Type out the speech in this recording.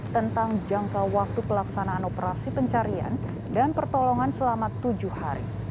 tentang jangka waktu pelaksanaan operasi pencarian dan pertolongan selama tujuh hari